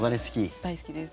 大好きです。